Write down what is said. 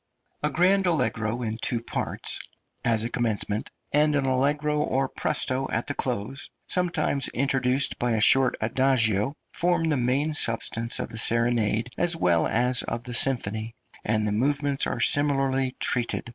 A grand allegro in two parts, as a commencement, and an allegro or presto at the close, sometimes introduced by a short adagio, form the main substance of the serenade as well as of the symphony, and the movements are similarly treated.